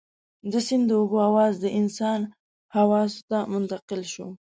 د سيند د اوبو اواز د انسان حواسو ته منتقل شو.